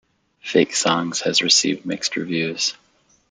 "Fake Songs" has received mixed reviews.